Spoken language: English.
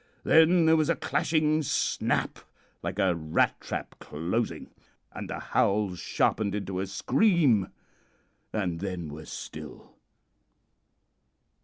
Then there was a clashing snap, like a rat trap closing, and the howls sharpened into a scream and then were still.